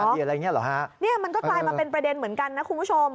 เหรอนี่มันก็กลายมาเป็นประเด็นเหมือนกันนะคุณผู้ชม